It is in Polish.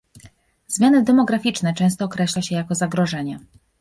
Zmiany demograficzne często określa się jako zagrożenie